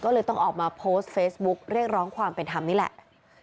ก็เลยต้องออกมาโพสต์เฟซบุ๊กเรียกร้องความเป็นธรรมนี่แหละ